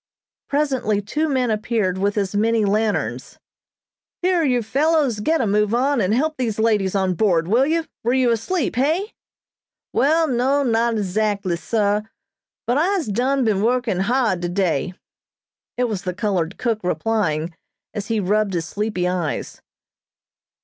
Presently two men appeared with as many lanterns. "Here, you fellows, get a move on, and help these ladies on board, will you? Were you asleep, hey?" "Wall, no, not 'zactly, sah, but I'se done been working hard today," it was the colored cook replying, as he rubbed his sleepy eyes.